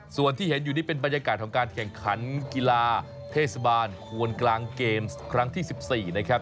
ส่วนที่เห็นอยู่นี่เป็นบรรยากาศของการแข่งขันกีฬาเทศบาลควนกลางเกมส์ครั้งที่๑๔นะครับ